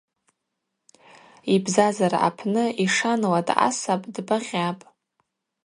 Йбзазара апны йшанла дъасапӏ, дбагъьапӏ.